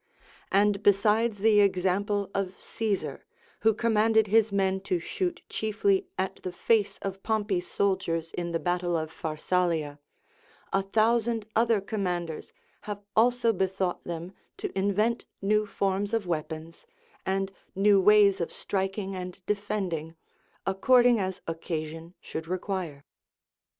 And besides the example of Caesar, who commanded his men to shoot chiefly at the face of Pompey's soldiers in the battle of Pharsalia, a thousand other commanders have also bethought them to invent new forms of weapons and new ways of striking and defending, according as occasion should require.